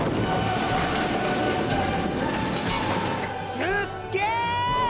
すっげえ！